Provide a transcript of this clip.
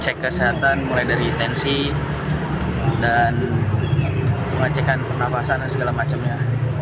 cek kesehatan mulai dari tensi dan pengecekan pernafasan dan segala macamnya